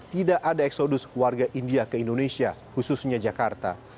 tidak ada eksodus warga india ke indonesia khususnya jakarta